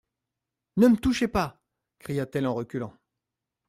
Ne me touchez pas ! cria-t-elle en reculant.